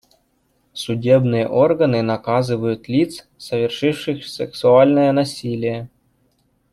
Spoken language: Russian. Судебные органы наказывают лиц, совершивших сексуальное насилие.